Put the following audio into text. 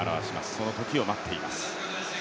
その時を待っています。